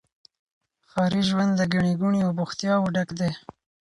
ښاري ژوند له ګڼي ګوڼي او بوختياوو ډک دی.